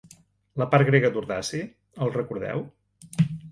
La part grega d'Urdaci, el recordeu?